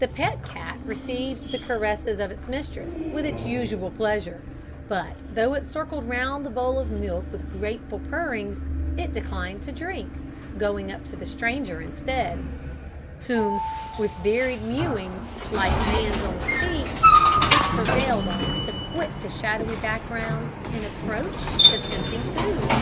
The pet cat received the caresses of its mistress with its usual pleasure, but, though it circled round the bowl of milk with grateful purrings, it declined to drink, going up to the stranger instead, whom, with varied mewings, "like man's own speech," it prevailed on to quit the shadowy background and approach the tempting food.